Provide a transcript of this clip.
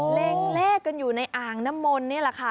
เล็งเลขกันอยู่ในอ่างน้ำมนต์นี่แหละค่ะ